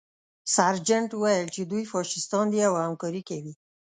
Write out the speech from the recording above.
سرجنټ وویل چې دوی فاشیستان دي او همکاري کوي